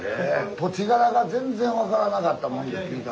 土地柄が全然分からなかったもんで聞いたんです。